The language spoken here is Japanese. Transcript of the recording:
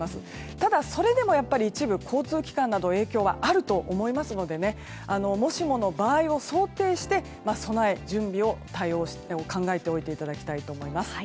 ただそれでも一部交通機関などの影響はあると思いますのでもしもの場合を想定して備え、準備対応を考えておいていただきたいと思います。